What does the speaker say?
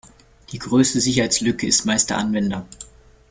Die größte Sicherheitslücke ist meist der Anwender.